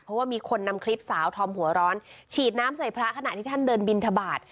เพราะว่ามีคนนำคลิปสาวธอมหัวร้อนฉีดน้ำใส่พระขณะที่ท่านเดินบินทบาท